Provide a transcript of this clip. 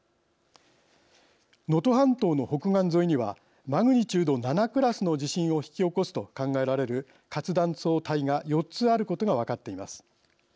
能登半島の北岸沿いにはマグニチュード７クラスの地震を引き起こすと考えらえる活断層帯が４つあることが分かっています。